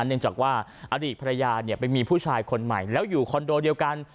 เนื่องจากว่าอดีตภรรยาไปมีผู้ชายคนใหม่แล้วอยู่คอนโดเดียวกัน